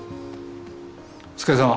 お疲れさま。